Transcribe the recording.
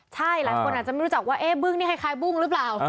ใช่หลายคนอาจจะไม่รู้จักว่าเอ๊ะบึ้งนี่คล้ายบุ้งหรือเปล่า